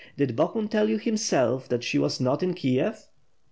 Did Bohun tell you him self, that she was not in Kiev?"